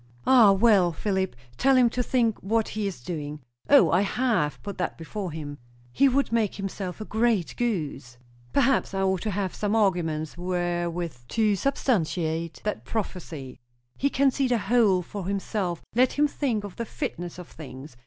"Ah! Well, Philip, tell him to think what he is doing." "O, I have put that before him." "He would make himself a great goose." "Perhaps I ought to have some arguments wherewith to substantiate that prophecy." "He can see the whole for himself. Let him think of the fitness of things.